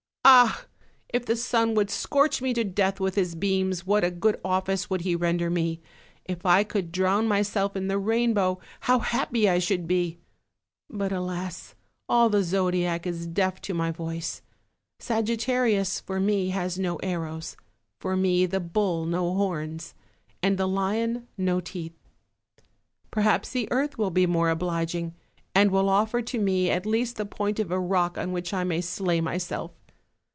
Ah! if the sun would scorch me to death with his beams what a good office would he render me; if I could drown myself in the rainbow how happy should I be! But alas! all the zodiac is deaf to my voice; Sagittarius for me has no arrows; for me the Bull no horns, and the Lion no teeth. Perhaps the earth will be more obliging, and will offer to me at least the point of a rock on which I may slay my self.